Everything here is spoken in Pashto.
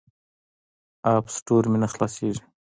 اپ سټور مې نه خلاصیږي.